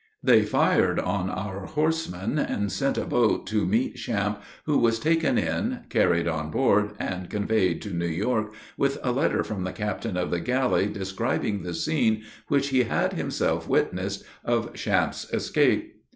They fired on our horsemen, and sent a boat to meet Champe, who was taken in, carried on board, and conveyed to New York, with a letter from the captain of the galley, describing the scene, which he had himself witnessed, of Champe's escape.